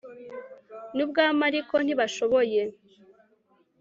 n ubwami a ariko ntibashoboye